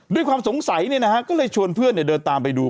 ด้วยความสงสัยก็เลยชวนเพื่อนเดินตามไปดู